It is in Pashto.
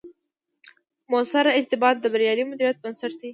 مؤثر ارتباط، د بریالي مدیریت بنسټ دی